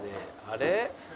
あれ？